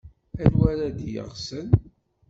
Anwa ara d-yesɣen?